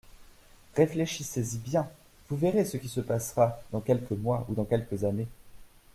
Réfléchissez-y bien : vous verrez ce qui se passera dans quelques mois ou dans quelques années.